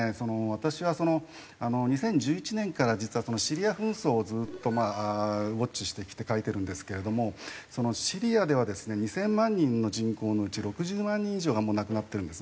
私は２０１１年から実はシリア紛争をずっとまあウォッチしてきて書いてるんですけれどもシリアではですね２０００万人の人口のうち６０万人以上がもう亡くなってるんですね。